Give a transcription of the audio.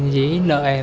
dí nợ em